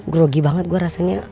grogi banget gue rasanya